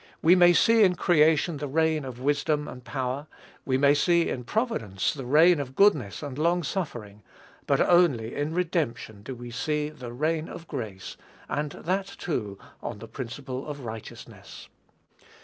We may see in creation the reign of wisdom and power; we may see in providence the reign of goodness and long suffering; but only in redemption do we see the reign of grace, and that, too, on the principle of righteousness.